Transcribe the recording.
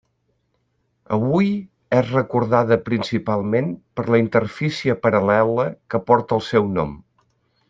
Avui és recordada principalment per la interfície paral·lela que porta el seu nom.